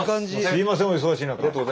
すいませんお忙しい中。